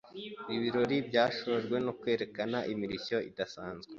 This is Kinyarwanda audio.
Ibirori byasojwe no kwerekana imirishyo idasanzwe.